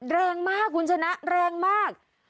แรงมากคุณชนะแรงมาก